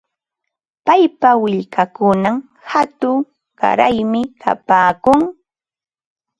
Paypa willkankunam hatun qaraymi kapaakun.